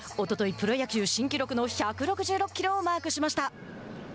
プロ野球新記録の１６６キロをマークしました。